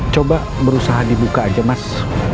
coba berusaha dibuka aja mas